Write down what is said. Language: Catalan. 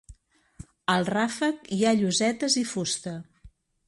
Al ràfec hi ha llosetes i fusta.